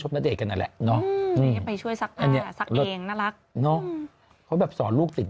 ชมณเด็กกันน่ะแหละไปช่วยซักผ้าเองน่ารักเขาแบบสอนลูกติด